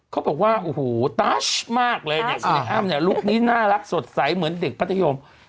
เขาบอกว่าโอ้โหตัชมากเลยเนี่ยอยู่ในอ้ำเนี่ยลุคนี้น่ารักสดใสเหมือนเด็กพัทยม